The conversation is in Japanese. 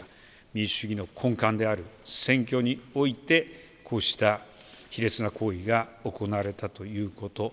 民主主義の根幹である選挙においてこうした卑劣な行為が行われたということ。